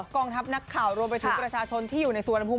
กองทัพนักข่าวรวมไปถึงประชาชนที่อยู่ในสุวรรณภูมิ